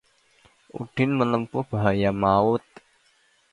Udin menempuh bahaya maut